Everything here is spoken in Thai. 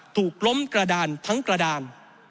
ถูกล้มกระดานทั้งกระดาน